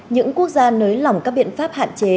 những quốc gia nới lỏng các biện pháp hạn chế